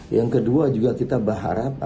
yang kedua juga kita berharap